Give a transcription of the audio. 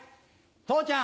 父ちゃん